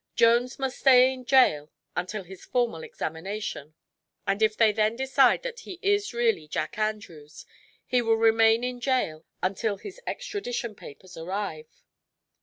"Jones must stay in jail until his formal examination, and if they then decide that he is really Jack Andrews he will remain in jail until his extradition papers arrive."